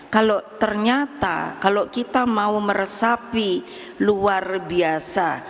kalau ternyata kalau kita mau meresapi luar biasa